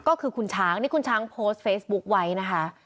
ก็คือคุณช้างนี่คุณช้างโพสต์เฟซบุ๊คไว้นะคะ